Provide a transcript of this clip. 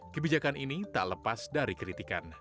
kebijakan ini tak lepas dari kritikan